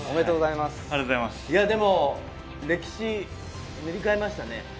おめでとう歴史を塗り替えましたね。